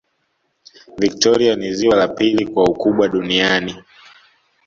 victoria ni ziwa la pili kwa ukubwa duniani